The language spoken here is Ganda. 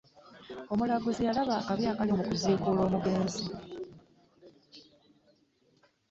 Omulaguzi y'abalaga akabi akali mu kuziikula omugenzi.